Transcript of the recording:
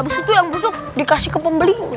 berry god kasih pembela